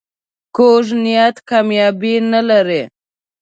کوږ نیت کامیابي نه لري